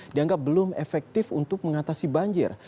dianggap belum efektif untuk mengatasi banjir